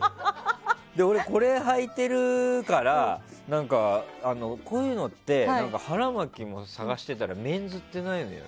俺、これはいてるからこういうのって腹巻きも探していたらメンズってないんだよね。